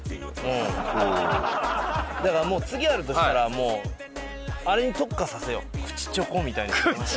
だからもう次やるとしたらあれに特化させよう口チョコみたいなやつ。